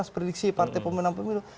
prediksi partai pemenang pemenang